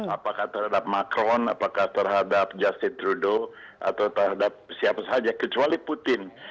apakah terhadap macron apakah terhadap justin trudeau atau terhadap siapa saja kecuali putin